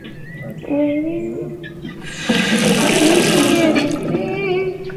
তখন সৈয়দ গোলাম মোস্তফা সহযোদ্ধাদের নিয়ে এগিয়ে যান পাকিস্তানি সেনাদের আসার পথে।